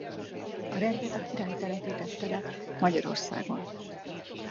A rendet a király telepítette le Magyarországon.